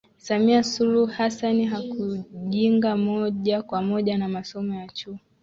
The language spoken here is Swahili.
Samia Suluhu Hassan hakujinga moja kwa moja na masomo ya Chuo